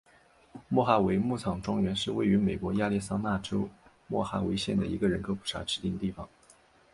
莫哈维牧场庄园是位于美国亚利桑那州莫哈维县的一个人口普查指定地区。